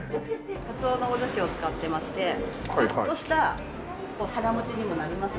かつおのおだしを使ってましてちょっとした腹持ちにもなりますし。